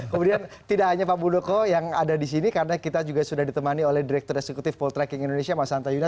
kemudian tidak hanya pak muldoko yang ada di sini karena kita juga sudah ditemani oleh direktur eksekutif poltreking indonesia mas anta yuna